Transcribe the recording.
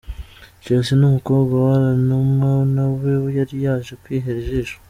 Chelsea umukobwa wa Alain Numa na we yari yaje kwihera ijisho.